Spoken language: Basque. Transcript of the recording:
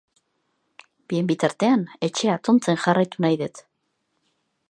Bien bitartean, etxea atontzen jarraitu nahi dut.